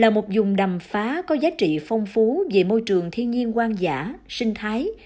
một phần bạn đình